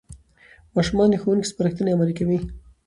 ماشومان د ښوونکو سپارښتنې عملي کوي